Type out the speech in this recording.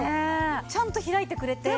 ちゃんと開いてくれて。